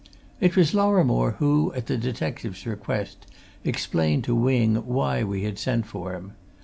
It was Lorrimore who, at the detective's request, explained to Wing why we had sent for him.